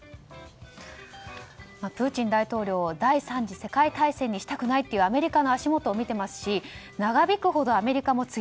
プーチン大統領は第３次世界大戦にしたくないというアメリカの足元を見ていますし長引くほどアメリカも